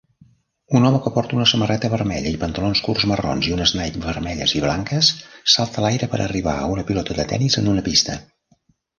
Un home que porta una samarreta vermella i pantalons curts marrons i unes Nike vermelles i blanques salta a l'aire per arribar a una pilota de tenis en una pista